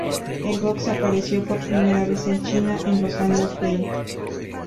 El box apareció por primera vez en China en los años veinte.